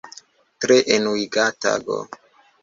Tre enuiga tago.